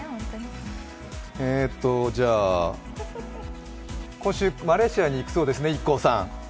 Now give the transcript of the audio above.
えーと、じゃあ、今週、マレーシアに行くそうですね、ＩＫＫＯさん。